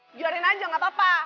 ngejarin aja gak apa apa